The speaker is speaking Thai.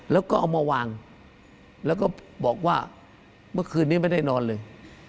แล้วก็เอามาวางแล้วก็บอกว่าเมื่อคืนนี้ไม่ได้นอนเลย